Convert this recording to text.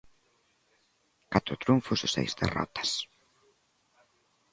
Catro triunfos e seis derrotas.